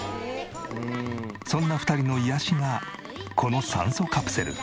そんな２人の癒やしがこの酸素カプセル。